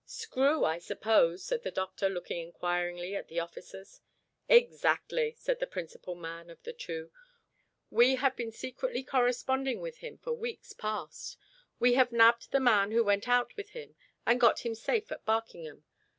"Screw, I suppose?" said the doctor, looking inquiringly at the officers. "Exactly," said the principal man of the two. "We have been secretly corresponding with him for weeks past. We have nabbed the man who went out with him, and got him safe at Barkingham.